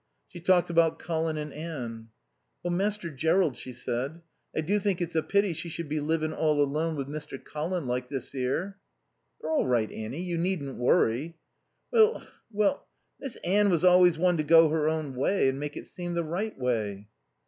She talked about Colin and Anne. "Oh, Master Jerrold," she said, "I do think it's a pity she should be livin' all alone with Mr. Colin like this 'ere." "They're all right, Nanny. You needn't worry." "Well well, Miss Anne was always one to go her own way and make it seem the right way."